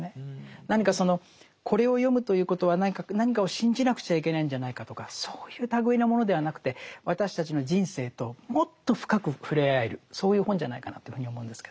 何かそのこれを読むということは何かを信じなくちゃいけないんじゃないかとかそういう類いのものではなくて私たちの人生ともっと深く触れ合えるそういう本じゃないかなというふうに思うんですけど。